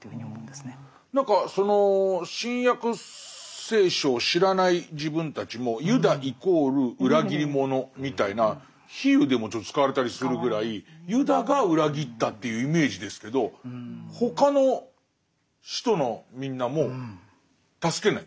何かその「新約聖書」を知らない自分たちもユダイコール裏切り者みたいな比喩でもちょっと使われたりするぐらいユダが裏切ったというイメージですけど他の使徒のみんなも助けない？